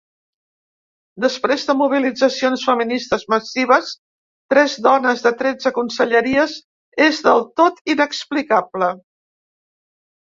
Després de mobilitzacions feministes massives, tres dones de tretze conselleries és del tot inexplicable.